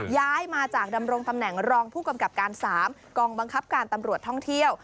ย้ายมาจากดำรงตำแหน่งรองผู้กำกับการ๓กองบังคับการตำรวจท่องเที่ยว